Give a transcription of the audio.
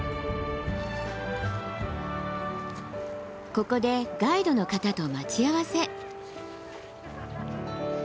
ここでガイドの方と待ち合わせ。